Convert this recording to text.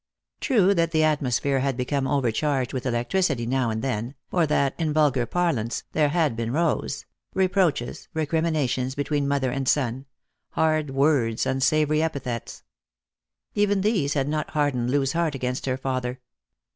True that the atmosphere had become overcharged with 3lectricity now and 216 Lost for Love. then, or that, in vulgar parlance, there had been rows — re proaches, recriminations between mother and son — hard words, unsavoury epithets. Even these had not hardened Loo's heart against her father.